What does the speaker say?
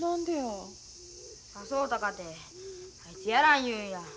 誘うたかてあいつやらん言うんや。